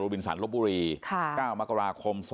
รุบินสรรพบุรี๙มกราคม